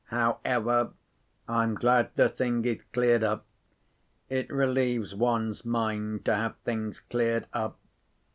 However, I'm glad the thing is cleared up: it relieves one's mind to have things cleared up.